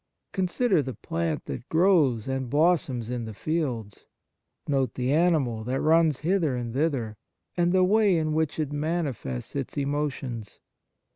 Consider the plant that grows and blossoms in the fields ; note the animal that runs hither and thither, and the way in which it manifests its emotions.